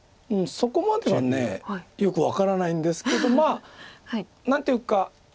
そこまではよく分からないんですけどまあ何ていうか。